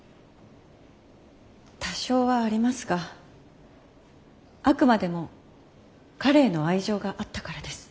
多少はありますがあくまでも彼への愛情があったからです。